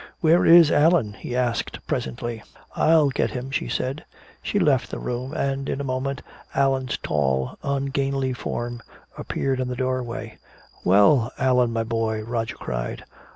"Where is Allan?" he asked presently. "I'll get him," she said. She left the room, and in a moment Allan's tall ungainly form appeared in the doorway. "Well, Allan, my boy," Roger cried.